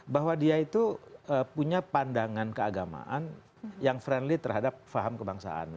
bahwa dia itu punya pandangan keagamaan yang friendly terhadap faham kebangsaan